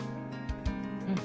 うん。